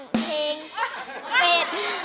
เพลงเป็ด